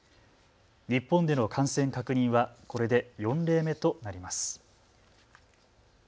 日本での感染確認はこれで４例目となります。